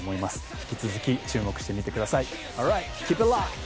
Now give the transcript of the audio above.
引き続き、注目してみてください。